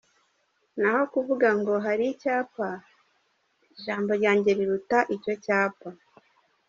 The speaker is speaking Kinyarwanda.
Naho kuvuga ngo hari icyapa, ijambo ryanjye riruta icyo cyapa’’.